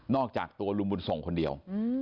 อกจากตัวลุงบุญส่งคนเดียว